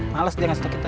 males dia nggak suka kita